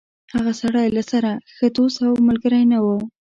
هغه سړی له سره ښه دوست او ملګری نه و.